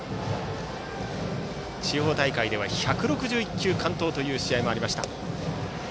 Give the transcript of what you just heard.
地方大会では１６１球完投という試合もありました。